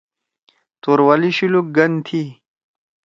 توروالی شولوک گن تھی